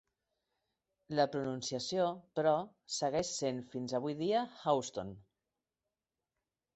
La pronunciació, però, segueix sent fins avui dia "howston".